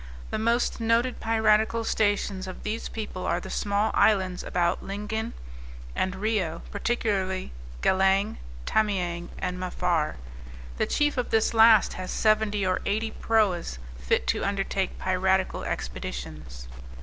The most noted piratical stations of these people are the small islands about Lingin and Rhio, particularly Galang, Tamiang and Maphar. The chief of this last has seventy or eighty proas fit to undertake piratical expeditions.